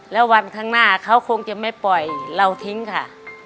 แล้ววันข้างหน้าเขาคงจะไม่ปล่อยเราทิ้งค่ะ